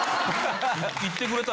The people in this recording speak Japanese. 「行ってくれた」